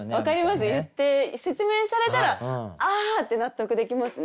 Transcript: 言って説明されたらあって納得できますね。